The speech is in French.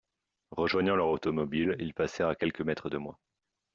Rejoignant leur automobile, ils passèrent à quelques mètres de moi.